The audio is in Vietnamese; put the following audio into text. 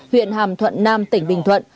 huyện hàm thuận nam tỉnh bình thuận